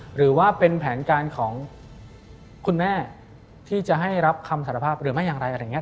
หรือว่าเป็นแผนการของคุณแม่ที่จะให้รับคำสารภาพหรือไม่อย่างไรอะไรอย่างนี้